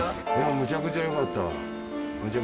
むちゃくちゃよかった。